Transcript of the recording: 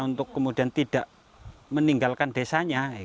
untuk kemudian tidak meninggalkan desanya